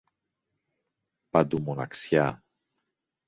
Παντού μοναξιά.